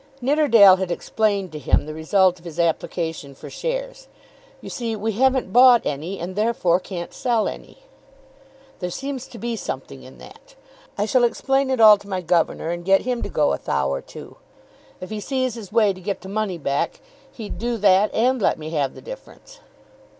Nidderdale had explained to him the result of his application for shares. "You see we haven't bought any and therefore can't sell any. There seems to be something in that. I shall explain it all to my governor, and get him to go a thou' or two. If he sees his way to get the money back, he'd do that and let me have the difference."